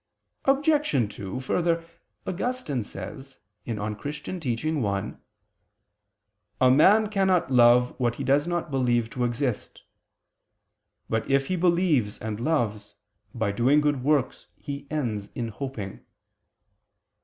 Obj. 2: Further, Augustine says (De Doctr. Christ. i): "A man cannot love what he does not believe to exist. But if he believes and loves, by doing good works he ends in hoping."